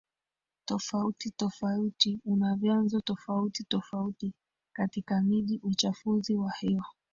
tofautitofauti una vyanzo tofautitofauti Katika miji uchafuzi wa hewa